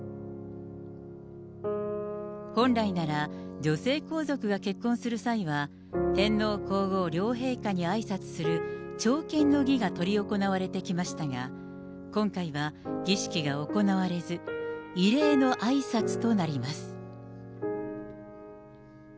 本来なら、女性皇族が結婚する際は、天皇皇后両陛下にあいさつする朝見の儀が執り行われてきましたが、今回は儀式が行われず、異例のあいさつとなります。